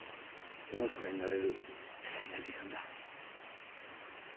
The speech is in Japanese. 厳かになれるステキな時間だ。